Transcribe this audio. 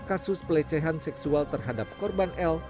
kasus pelecehan seksual terhadap korban l